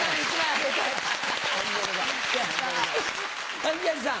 はい宮治さん。